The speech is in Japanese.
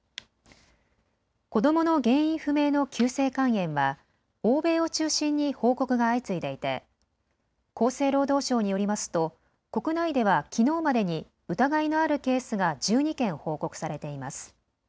子どもの原因不明の急性肝炎は欧米を中心に報告が相次いでいて厚生労働省によりますと国内ではきのうまでに疑いのあるケースが１２件報告されています。